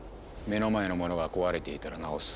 目の前のものが壊れていたらなおす。